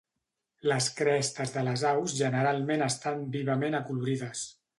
Les crestes de les aus generalment estan vivament acolorides.